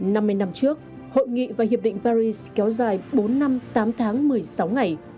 năm mươi năm trước hội nghị và hiệp định paris kéo dài bốn năm tám tháng một mươi sáu ngày